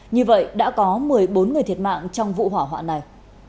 như vậy đã có một mươi bốn người thiệt mạng trong vụ hỏa hoạn này